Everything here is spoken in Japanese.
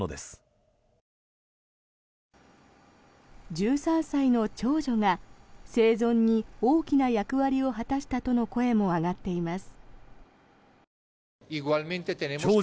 １３歳の長女が生存に大きな役割を果たしたとの声も上がっています。